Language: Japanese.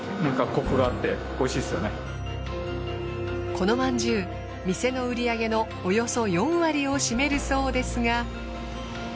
このまんじゅう店の売り上げのおよそ４割を占めるそうですが。